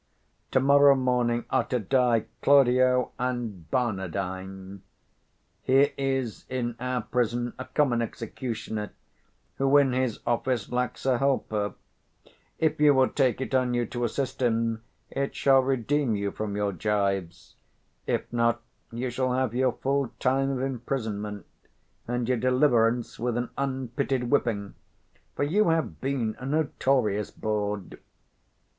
To morrow morning are to die Claudio and Barnardine. Here is in our prison a common executioner, who in his office lacks a helper: if you will take it on you to assist him, it shall redeem you from your gyves; if not, you shall have your full time of imprisonment, and 10 your deliverance with an unpitied whipping, for you have been a notorious bawd.